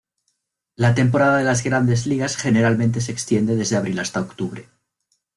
La temporada de las Grandes Ligas generalmente se extiende desde abril hasta octubre.